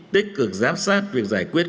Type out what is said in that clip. tích cực giám sát việc giải quyết